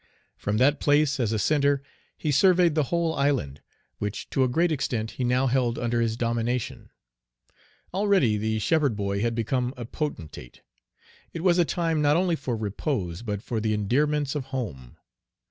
From that place as a centre, he surveyed the whole island, which to a great extent he now held under his domination. Already the shepherd boy had become a potentate. It was a time not only for repose, but for the endearments of home.